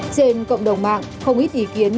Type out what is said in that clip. trên cộng đồng mạng không ít ý kiến